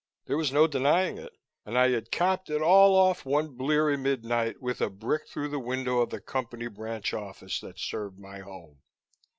There was no denying it. And I had capped it all off one bleary midnight, with a brick through the window of the Company branch office that served my home.